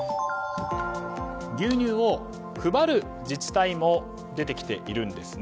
牛乳を配る自治体も出てきているんですね。